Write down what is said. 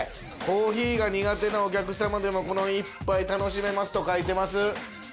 「コーヒーが苦手なお客さまでもこの一杯楽しめます」と書いてます。